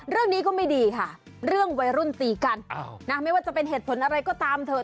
เรื่องนี้ก็ไม่ดีค่ะเรื่องวัยรุ่นตีกันไม่ว่าจะเป็นเหตุผลอะไรก็ตามเถอะ